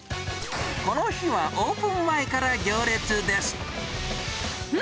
この日はオープン前から行列です。